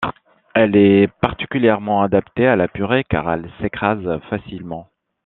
Elle est particulièrement adaptée à la purée car elle s'écrase facilement.